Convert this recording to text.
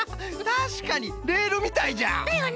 たしかにレールみたいじゃ。だよね！